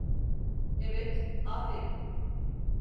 Evet, aferin.